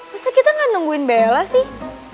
masa kita gak nungguin bella sih